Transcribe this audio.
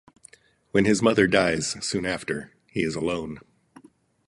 When his mother dies soon after, he is alone.